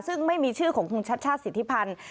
ซึ่งไม่มีชื่อของคุณชัชชาติสิทธิพันธ์